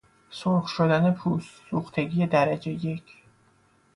سرخ شدن پوست، سوختگی درجه یک